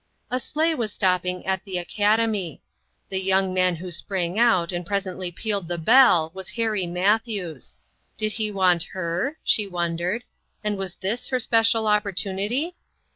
A sleigh was stopping at the Academy. The young man who sprang out and pres ently pealed the bell, was Harry Matthews. Did he want her? she wondered, and was this her special opportunity